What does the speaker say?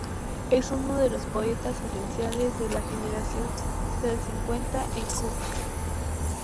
Es uno de los poetas esenciales de la Generación del cincuenta, en Cuba.